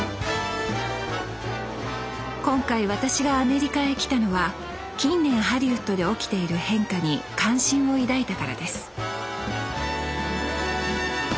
今回私がアメリカへ来たのは近年ハリウッドで起きている変化に関心を抱いたからです